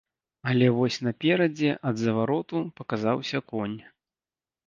Але вось наперадзе, ад завароту, паказаўся конь.